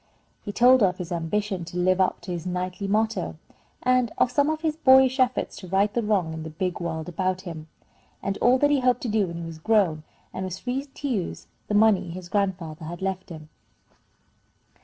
He told her of his ambition to live up to his knightly motto, and of some of his boyish efforts to right the wrong in the big world about him, and all that he hoped to do when he was grown, and was free to use the money his grandfather had left him.